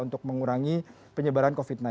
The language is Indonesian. untuk mengurangi penyebaran covid sembilan belas